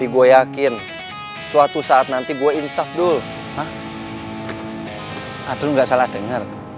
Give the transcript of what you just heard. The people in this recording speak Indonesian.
gitu ya wiyang